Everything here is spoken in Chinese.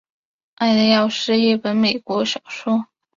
爱的药是一本美国小说。